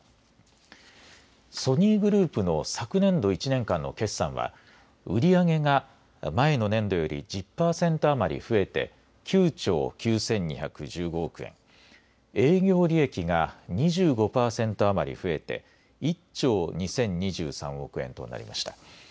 ソニーグループの昨年度１年間の決算は、売り上げが前の年度より１０％余り増えて、９兆９２１５億円、営業利益が２５％余り増えて、１兆２０２３億円となりました。